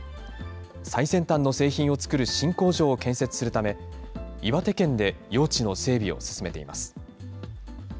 最先端の製品を作る新工場を建設するため、岩手県で用地の整備を進めています。